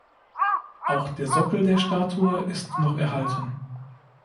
Auch der Sockel der Statue ist noch erhalten.